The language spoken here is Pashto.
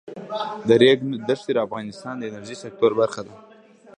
د ریګ دښتې د افغانستان د انرژۍ سکتور برخه ده.